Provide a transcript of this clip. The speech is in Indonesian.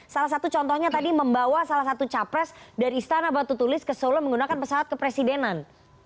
salah satu contohnya tadi membawa salah satu capres dari istana batu tulis ke solo menggunakan pesawat kepresidenan